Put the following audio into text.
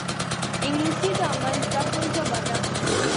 انګلیسي د آنلاین زده کړو ژبه ده